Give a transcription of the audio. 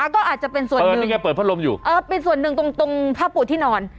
ก็อาจจะเป็นส่วนหนึ่งนี่ไงเปิดพัดลมอยู่เออเป็นส่วนหนึ่งตรงผ้าปูที่นอน